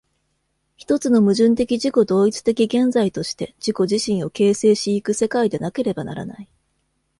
一つの矛盾的自己同一的現在として自己自身を形成し行く世界でなければならない。